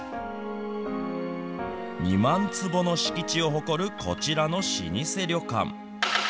２万坪の敷地を誇るこちらの老舗旅館。